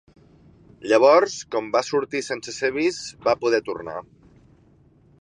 Llavors, com va sortir sense ser vist, va poder tornar.